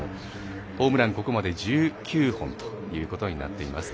ホームラン、ここまで１９本ということになっています。